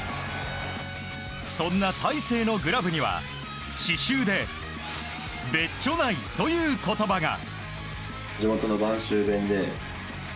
そんな大勢のグラブには刺しゅうで「べっちょない」という言葉が。